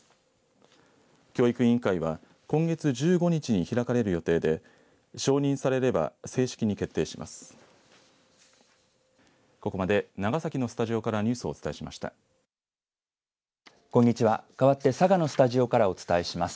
教育委員会は今月１５日に開かれる予定で承認されれば正式に決定します。